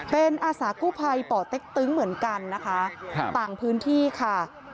เป็นอาสากู้ภัยป่อเต็กตึงเหมือนกันนะคะต่างพื้นที่ค่ะ